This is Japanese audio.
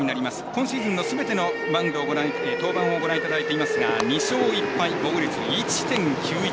今シーズンのすべての登板をご覧いただいていますが２勝１敗、防御率１．９１。